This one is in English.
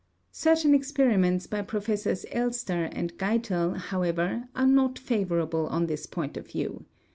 Certain experiments by Professors Elster and Geitel, however, are not favourable to this point of view.